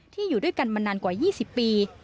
อยู่ด้วยกันมานานกว่า๒๐ปี